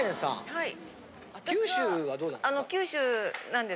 はい。